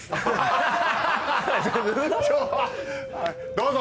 どうぞ！